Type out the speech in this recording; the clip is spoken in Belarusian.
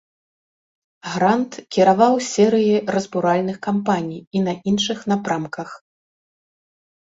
Грант кіраваў серыяй разбуральных кампаній і на іншых напрамках.